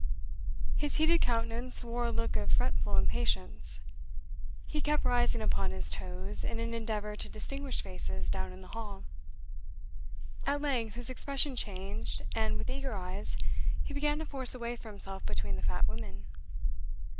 His heated countenance wore a look of fretful impatience; he kept rising upon his toes in an endeavour to distinguish faces down in the hall. At length his expression changed, and with eager eyes he began to force a way for himself between the fat women.